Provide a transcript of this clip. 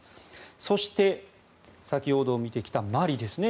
そして先ほど見てきたマリですね。